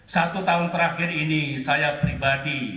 satu tahun terakhir ini saya pribadi